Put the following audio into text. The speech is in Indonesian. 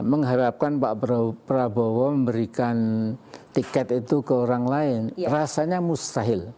mengharapkan pak prabowo memberikan tiket itu ke orang lain rasanya mustahil